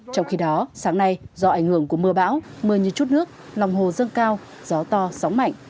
trong khi đó sáng nay do ảnh hưởng của mưa bão mưa như chút nước lòng hồ dâng cao gió to sóng mạnh